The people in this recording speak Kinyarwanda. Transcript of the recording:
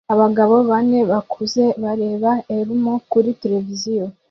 Abagabo bane bakuze bareba Elmo kuri tereviziyo